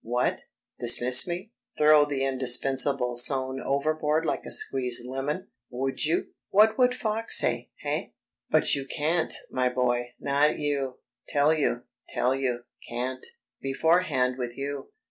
"What.... Dismiss me?... Throw the indispensable Soane overboard like a squeezed lemon?... Would you?... What would Fox say?... Eh? But you can't, my boy not you. Tell you ... tell you ... can't.... Beforehand with you